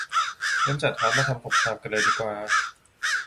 งั้นจัดทัพ มาทำสงครามกันเลยดีกว่า !